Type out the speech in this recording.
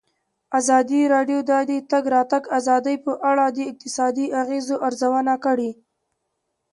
ازادي راډیو د د تګ راتګ ازادي په اړه د اقتصادي اغېزو ارزونه کړې.